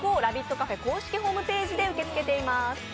カフェ公式ホームページで受け付けています。